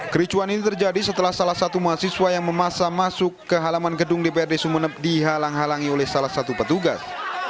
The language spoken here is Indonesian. kericuan ini terjadi setelah salah satu mahasiswa yang memaksa masuk ke halaman gedung dprd sumeneb dihalang halangi oleh salah satu petugas